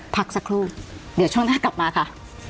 พักสักครู่เดี๋ยวช่วงหน้ากลับมาค่ะ